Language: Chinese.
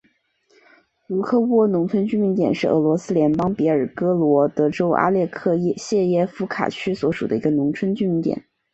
茹科沃农村居民点是俄罗斯联邦别尔哥罗德州阿列克谢耶夫卡区所属的一个农村居民点。